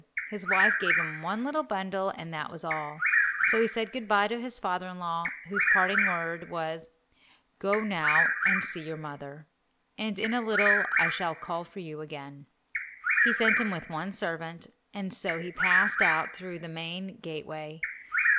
His wife gave him one little bundle and that was all, so he said good bye to his father in law, whose parting word was, "Go now and see your mother, and in a little I shall call for you again." He sent with him one servant, and so he passed out through the main gateway.